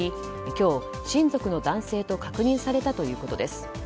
今日、親族の男性と確認されたということです。